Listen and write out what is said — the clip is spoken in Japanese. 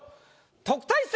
特待生